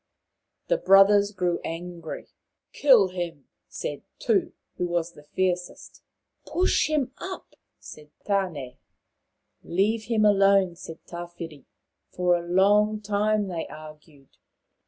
The brothers grew angry. " Kill him," said The Six Brothers 25 Tu, who was the fiercest. " Push him up," said Tane. " Leave him alone," said Tawhiri. For a long time they argued.